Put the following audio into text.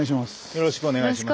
よろしくお願いします。